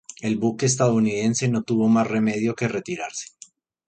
El buque estadounidense no tuvo más remedio que retirarse.